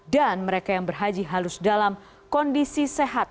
dan mereka yang berhaji harus dalam kondisi sehat